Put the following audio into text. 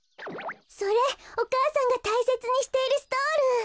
それお母さんがたいせつにしているストール！